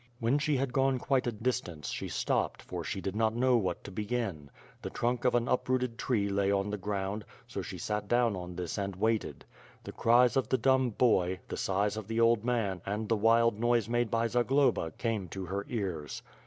When she had gone quite a distance she stopped for she did not know what to begin. The trunk of an uprooted tree lay on the ground, so she sat down on this and waited. The cries of the dumb boy, the sighs of the old man, and the wild noise made by Zagloba came to her ears.